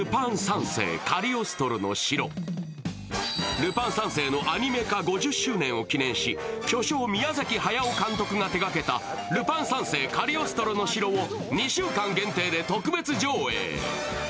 「ルパン三世」のアニメ化５０周年を記念し、巨匠・宮崎駿監督が手がけた「ルパン三世カリオストロの城」を２週間限定で特別上映。